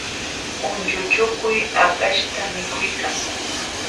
Unchuchukuy hakaśhta mikuykan